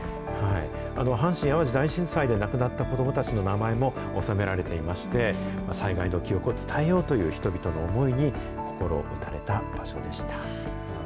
阪神・淡路大震災で亡くなった子どもたちの名前も納められていまして、災害の記憶を伝えようという人々の思いに心打たれた場所でした。